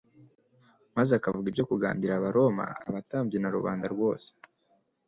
maze akavuga ibyo kugandira Abaroma, abatambyi na rubanda rwose,